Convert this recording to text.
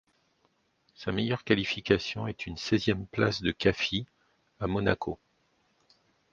Sa meilleure qualification est une seizième place de Caffi à Monaco.